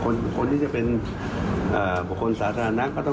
คุณเศรษฐาว่าฟักแบบไหนจะแบบไหน